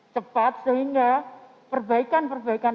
sempat sehingga perbaikan perbaikan